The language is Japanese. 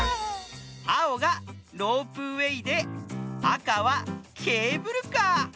あおがロープウエーであかはケーブルカー。